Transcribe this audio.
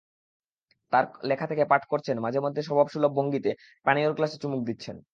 তাঁর লেখা থেকে পাঠ করছেন, মাঝেমধ্যে স্বভাবসুলভ ভঙ্গিতে পানীয়র গ্লাসে চুমুক দিচ্ছেন।